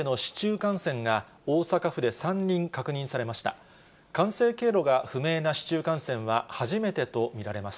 感染経路が不明な市中感染は、初めてと見られます。